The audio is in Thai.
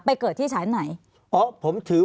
ภารกิจสรรค์ภารกิจสรรค์